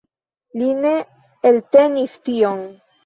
Li ne eltenis tion.